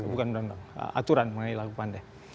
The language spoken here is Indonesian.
bukan undang undang aturan mengenai laku pandai